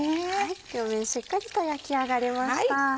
両面しっかりと焼き上がりました。